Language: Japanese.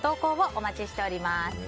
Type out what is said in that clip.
お待ちしております。